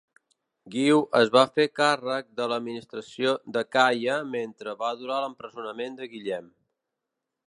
Guiu es va fer càrrec de l'administració d'Acaia mentre va durar l'empresonament de Guillem.